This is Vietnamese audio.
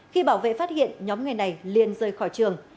khi bảo vệ phát hiện nhóm ngày này liền rời khỏi trường